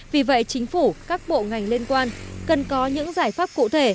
vì vậy chính phủ các bộ ngành liên quan cần có những giải pháp cụ thể